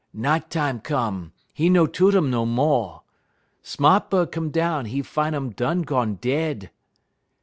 Night tam come, 'e no toot um no mo'. Sma't bud come down, 'e fin' um done gone dead.